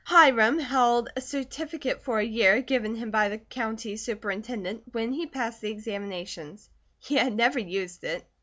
Hiram held a certificate for a year, given him by the County Superintendent, when he passed the examinations. He had never used it.